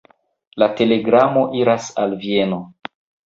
La telegramo iras al Vieno.